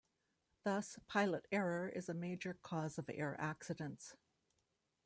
Thus, pilot error is a major cause of air accidents.